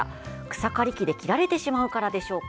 草刈り機で切られてしまうからでしょうか？